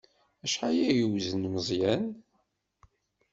Acḥal ay yewzen Meẓyan?